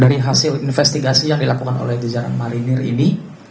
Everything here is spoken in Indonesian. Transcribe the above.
dari hasil investigasi yang dilakukan oleh di jalan malinir ini